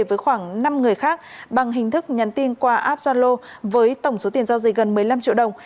với khoảng năm người khác bằng hình thức nhắn tin qua app gia lô với tổng số tiền giao dịch gần một mươi năm triệu đồng